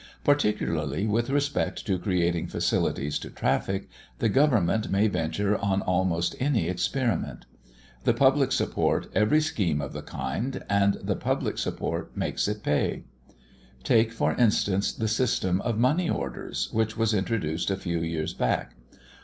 Particularly with respect to creating facilities to traffic, the Government may venture on almost any experiment. The public support every scheme of the kind, and the public support makes it pay. Take, for instance, the system of money orders, which was introduced a few years back.